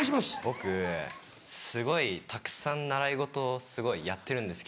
僕すごいたくさん習い事をすごいやってるんですけど。